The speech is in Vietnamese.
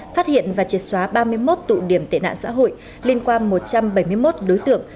phát hiện và triệt xóa ba mươi một tụ điểm tệ nạn xã hội liên quan một trăm bảy mươi một đối tượng